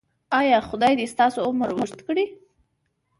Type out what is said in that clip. ایا خدای دې ستاسو عمر اوږد کړي؟